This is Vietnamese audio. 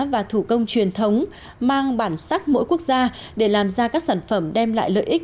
và thủ công truyền thống mang bản sắc mỗi quốc gia để làm ra các sản phẩm đem lại lợi ích